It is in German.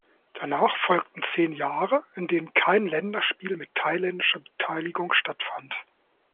Danach folgten zehn Jahre in denen kein Länderspiel mit thailändischer Beteiligung stattfand.